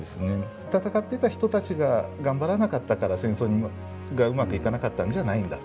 戦っていた人たちが頑張らなかったから戦争がうまくいかなかったんじゃないんだと。